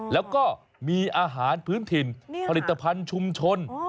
แล้วก็มีอาหารพื้นถิ่นผลิตภัณฑ์ชุมชน